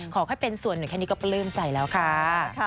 ขอให้เป็นส่วนหนึ่งแค่นี้ก็ปลื้มใจแล้วค่ะ